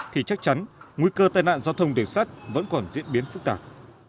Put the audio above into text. thì chắc chắn nguy cơ tai nạn giao thông đường sắt vẫn còn diễn biến phức tạp